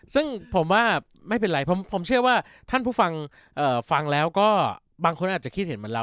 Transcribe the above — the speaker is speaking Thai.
ซึ่งผมว่าไม่เป็นไรผมเชื่อว่าท่านผู้ฟังฟังแล้วก็บางคนอาจจะคิดเห็นเหมือนเรา